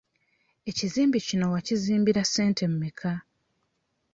Ekizimbe kino wakizimbira ssente mmeka?